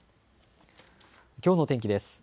きょうの天気です。